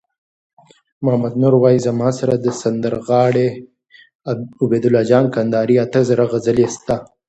محمد نور وایی: زما سره د سندرغاړی عبیدالله جان کندهاری اته زره غزلي سته